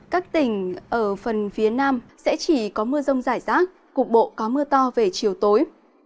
các tỉnh ở phần phía nam sẽ chỉ có mưa rông rải rác cục bộ có mưa to về chiều tối